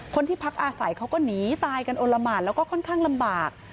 คนที่พักอาศัยเขาก็หนีตายกันโอละหมานแล้วก็ค่อนข้างลำบาก